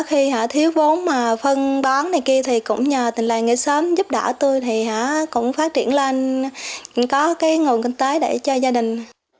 khi thiếu vốn mà phân bán này kia thì cũng nhờ tình làng nghĩa xóm giúp đỡ tôi thì cũng phát triển lên có cái nguồn kinh tế để cho gia đình